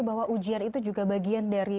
bahwa ujian itu juga bagian dari